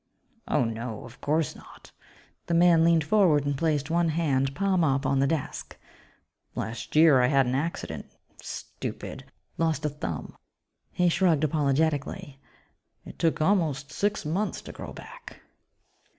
"Oh, no ... of course not!" The man leaned forward and placed one hand, palm up, on the desk. "Last year I had an accident ... stupid ... lost a thumb." He shrugged apologetically, "It took almost six months to grow back."